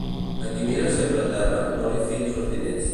A qui mira sempre a terra, no li fies els diners.